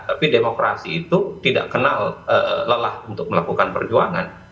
tapi demokrasi itu tidak kenal lelah untuk melakukan perjuangan